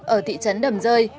ở thị trấn đầm rơi